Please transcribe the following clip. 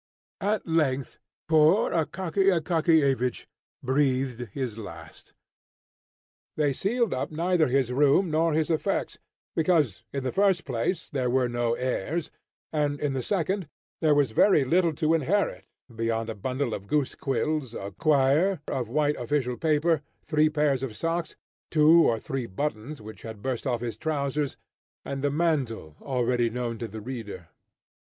At length poor Akaky Akakiyevich breathed his last. They sealed up neither his room nor his effects, because, in the first place, there were no heirs, and, in the second, there was very little to inherit beyond a bundle of goose quills, a quire of white official paper, three pairs of socks, two or three buttons which had burst off his trousers, and the mantle already known to the reader.